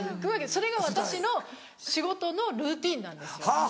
それが私の仕事のルーティンなんですよ。